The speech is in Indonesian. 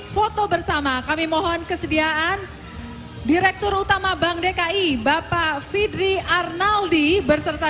foto bersama kami mohon kesediaan direktur utama bank dki bapak fidri arnaldi berserta